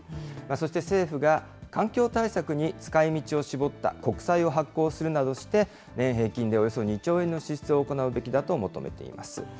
そして政府が、環境対策に使いみちを絞った国債を発行するなどして、年平均でおよそ２兆円の支出を行うべきだと求めています。